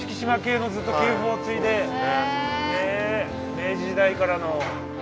明治時代からの。